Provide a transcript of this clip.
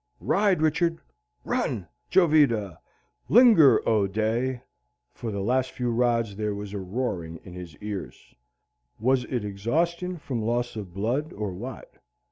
Ride, Richard; run, Jovita; linger, O day! For the last few rods there was a roaring in his ears. Was it exhaustion from loss of blood, or what?